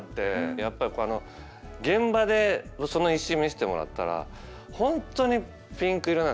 やっぱりこの現場でその石見せてもらったら本当にピンク色なんです。